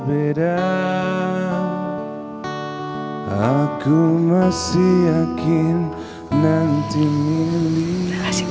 terima kasih banyak ya tes